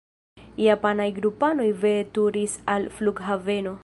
Japanaj grupanoj veturis al flughaveno.